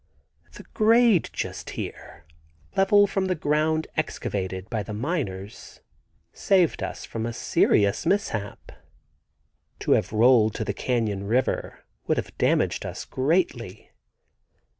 The grade just here, level from the ground excavated by the miners, saved us from a serious mishap. To have rolled to the Canyon River would have damaged us greatly.